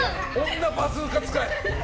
女バズーカ使い。